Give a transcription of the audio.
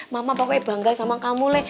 mama pokoknya bangga sama kamu